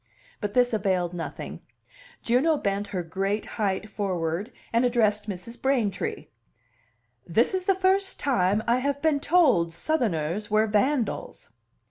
But this availed nothing; Juno bent her great height forward, and addressed Mrs. Braintree. "This is the first time I have been told Southerners were vandals."